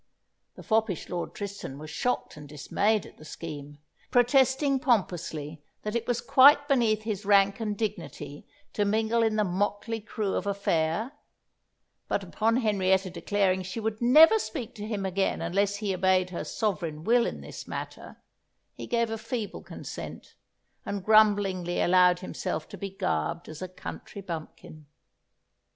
The foppish Lord Tristan was shocked and dismayed at the scheme, protesting pompously that it was quite beneath his rank and dignity to mingle in the motley crew of a fair; but upon Henrietta declaring she would never speak to him again unless he obeyed her sovereign will in this matter, he gave a feeble consent, and grumblingly allowed himself to be garbed as a country bumpkin.